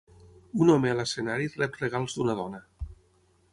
Un home a l'escenari rep regals d'una dona.